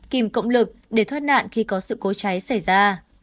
kìm cộng lực để thoát nạn khi có sự cố cháy xảy ra